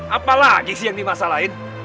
apalagi sih yang dimasalahin